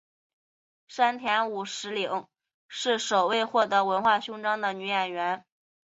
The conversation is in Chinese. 山田五十铃是首位获得文化勋章的女演员。